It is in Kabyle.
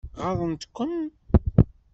Ɣaḍent-kem?